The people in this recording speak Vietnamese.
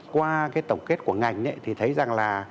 qua cái tổng kết của ngành thì thấy rằng là